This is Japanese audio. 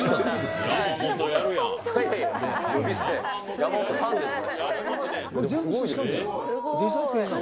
山本さんですよね。